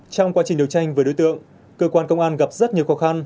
trong quá trình đấu tranh với đối tượng cơ quan công an gặp rất nhiều khó khăn